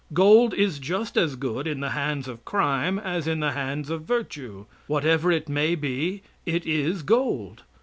Gold is just as good in the hands of crime as in the hands of virtue. Whatever it may be, it is gold.